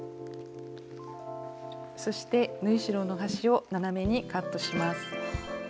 そして縫い代の端を斜めにカットします。